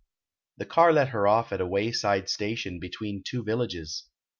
The car let her off at a wayside station between two villages.